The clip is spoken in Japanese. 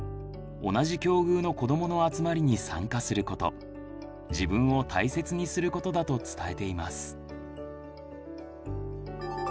「同じ境遇の子どもの集まりに参加すること」「自分を大切にすること」だと伝えています。